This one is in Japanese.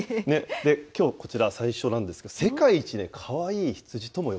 きょう、こちら、最初なんですけど、世界一ね、かわいい羊とも呼